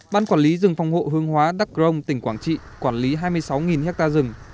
ban quản lý rừng phòng hộ hướng hóa đắc rông tỉnh quảng trị quản lý hai mươi sáu ha rừng